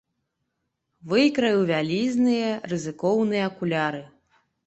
Выкраіў вялізныя, рызыкоўныя акуляры.